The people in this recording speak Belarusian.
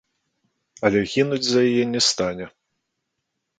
Але гінуць за яе не стане.